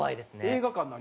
映画館何？